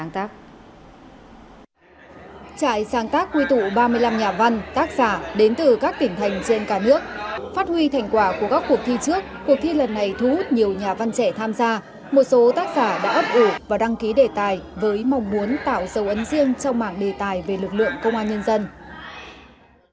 trại sáng tác quy tụ ba mươi năm nhà văn tác giả đến từ các tỉnh thành trên cả nước phát huy thành quả của các cuộc thi trước cuộc thi lần này thu hút nhiều nhà văn trẻ tham gia một số tác giả đã ấp ủ và đăng ký đề tài với mong muốn tạo dấu ấn riêng trong mảng đề tài về lực lượng công an nhân dân